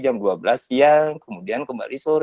jam dua belas siang kemudian kembali sore